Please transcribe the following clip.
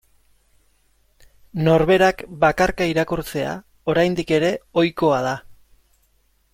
Norberak bakarka irakurtzea oraindik ere ohikoa da.